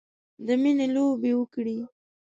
د میینې لوبې وکړې